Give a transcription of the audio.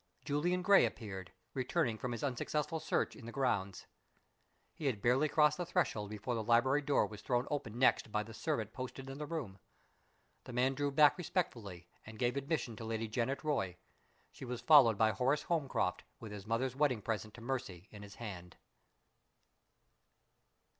Julian Gray appeared returning from his unsuccessful search in the grounds. He had barely crossed the threshold before the library door was thrown open next by the servant posted in the room. The man drew back respectfully, and gave admission to Lady Janet Roy. She was followed by Horace Holmcroft with his mother's wedding present to Mercy in his hand.